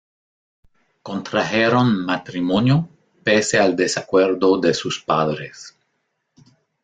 Contrajeron matrimonio, pese al desacuerdo de sus padres.